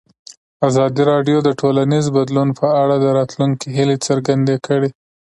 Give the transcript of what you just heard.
ازادي راډیو د ټولنیز بدلون په اړه د راتلونکي هیلې څرګندې کړې.